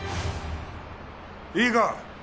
いいか？